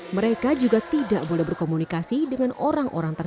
setiap anak dilarang membawa gawai selama dikarantina